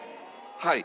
はい。